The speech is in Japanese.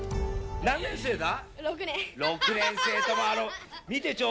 何年生だ？